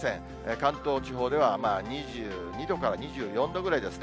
関東地方では２２度から２４度ぐらいですね。